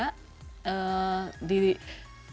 gitarnya dari kalimantan